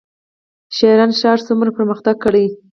شرن ښار څومره پرمختګ کړی؟